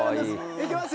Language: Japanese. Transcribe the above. いきますよ。